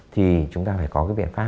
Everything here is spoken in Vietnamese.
thì chúng ta phải có cái biện pháp